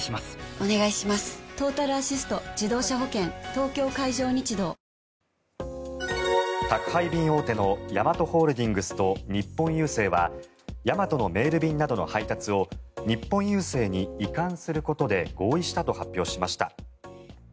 東京海上日動宅配便大手のヤマトホールディングスと日本郵政はヤマトのメール便などの配達を日本郵政に移管することで合意したと発表しました。